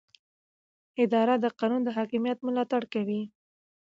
اداره د قانون د حاکمیت ملاتړ کوي.